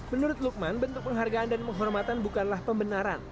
menurut lukman bentuk penghargaan dan penghormatan bukanlah pembenaran